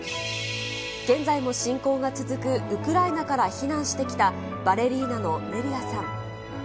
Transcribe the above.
現在も侵攻が続くウクライナから避難してきたバレリーナのネリアさん。